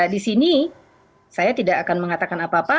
di sini saya tidak akan mengatakan apa apa